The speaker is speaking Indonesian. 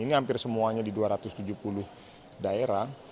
ini hampir semuanya di dua ratus tujuh puluh daerah